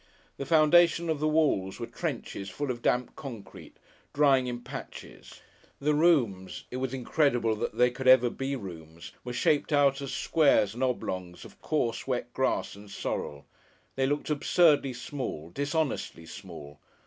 The foundations of the walls were trenches full of damp concrete, drying in patches; the rooms it was incredible they could ever be rooms were shaped out as squares and oblongs of coarse, wet grass and sorrel. They looked absurdly small dishonestly small.